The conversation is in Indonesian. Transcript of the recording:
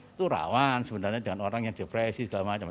itu rawan sebenarnya dengan orang yang depresi segala macam